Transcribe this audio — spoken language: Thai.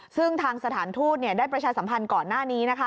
ซึ่งทางสถานทูตได้ประชาสัมพันธ์ก่อนหน้านี้นะคะ